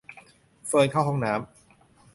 เฟิร์นเข้าห้องน้ำ